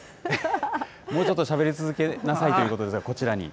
もうちょっとしゃべり続けなさいということですね、こちらに。